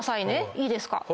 いいですか。